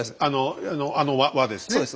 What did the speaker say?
あの倭ですね。